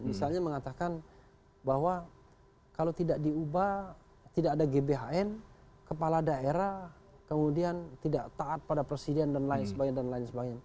misalnya mengatakan bahwa kalau tidak diubah tidak ada gbhn kepala daerah kemudian tidak taat pada presiden dan lain sebagainya